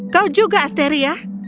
kau juga asteria